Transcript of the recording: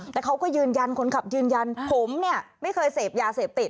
แต่เขาก็ยืนยันคนขับยืนยันผมเนี่ยไม่เคยเสพยาเสพติด